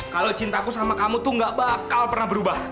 kalo cinta aku sama kamu tuh gak bakal pernah berubah